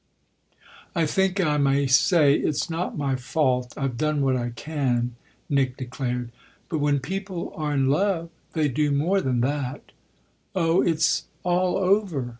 "I think I may say it's not my fault I've done what I can," Nick declared. "But when people are in love they do more than that." "Oh it's all over!"